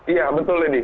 iya betul ledi